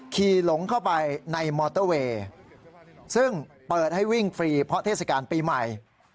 หลงเข้าไปในมอเตอร์เวย์ซึ่งเปิดให้วิ่งฟรีเพราะเทศกาลปีใหม่